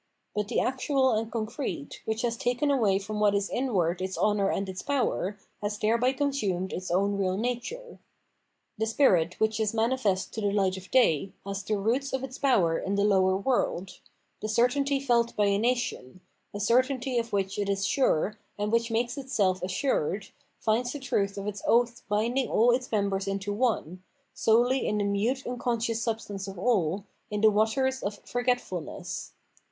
But the actual and concrete, which has taken away from what is inward its honour and its power, has thereby consumed its own real nature. The spirit which is manifest to the light of day has the roots of its power in the lower world : the certainty felt by a nation, a certainty of which it is sure and which makes itself assured, finds the truth of its oath binding all its members into one, solely in the mute unconscious substance of all, in the waters of forgetfulness.